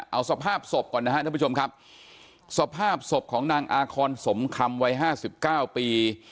เอาสภาพศพก่อนนะฮะท่านผู้ชมครับสภาพศพของนางอาคอนสมคำวัยห้าสิบเก้าปี